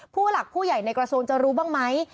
ผู้หลักผู้ใหญ่ในกระทรวงจะรู้บ้างไหม